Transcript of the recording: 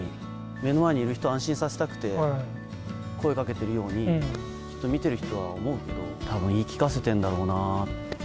目の前にいる人を安心させたくて声かけてるように、きっと見てる人は思うけど、たぶん言い聞かせてるんだろうなって。